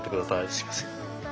すいません。